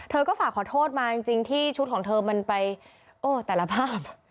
เธอก็ฝากขอโทษมาจริงที่ชุดของเธอมันไปโอ้แต่ละภาพ